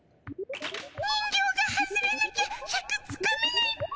人形が外れなきゃシャクつかめないっピ。